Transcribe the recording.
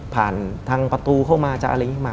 ผ่านทางประตูเข้ามาจะอะไรอย่างนี้มา